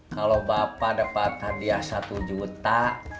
kalau bapak dapat hadiah satu juta